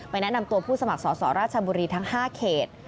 แนะนำตัวผู้สมัครสอสอราชบุรีทั้ง๕เขต